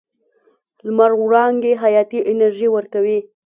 لمر وړانګې حیاتي انرژي ورکوي.